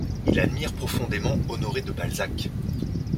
Il admire profondément Honoré de Balzac.